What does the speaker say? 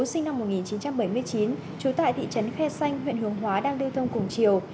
sinh năm một nghìn chín trăm bảy mươi chín trú tại thị trấn khe xanh huyện hướng hóa đang lưu thông cùng chiều